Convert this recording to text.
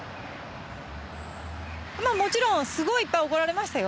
まあもちろんすごいいっぱい怒られましたよ。